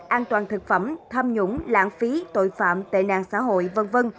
an toàn thực phẩm tham nhũng lãng phí tội phạm tệ nạn xã hội v v